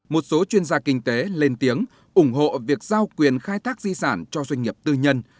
một số chuyên gia kinh tế lên tiếng ủng hộ việc giao quyền khai thác di sản cho doanh nghiệp tư nhân